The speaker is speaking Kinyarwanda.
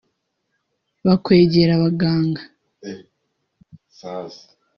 bakwegera abaganga